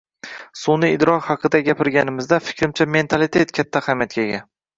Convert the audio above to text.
Sunʼiy idrok haqida gapirganimizda, fikrimcha, mentalitet katta ahamiyatga ega.